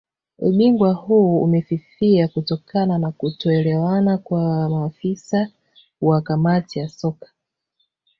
Ubingwa huu umefifia kutokana na kutoelewana kwa maafisa wa Kamati ya Soka